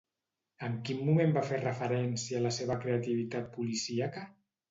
En quin moment va fer referència a la seva creativitat policíaca?